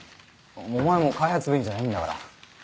お前はもう開発部員じゃないんだから。